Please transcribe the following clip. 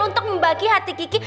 untuk membagi hati kiki